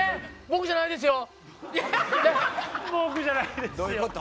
「僕じゃないですよ」。